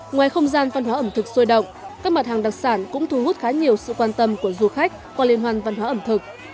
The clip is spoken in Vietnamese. ngoài không gian văn hóa ẩm thực sôi động các mặt hàng đặc sản cũng thu hút khá nhiều sự quan tâm của du khách qua liên hoàn văn hóa ẩm thực